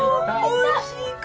おいしいか？